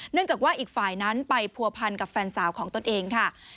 จากว่าอีกฝ่ายนั้นไปผัวพันกับแฟนสาวของตนเองค่ะ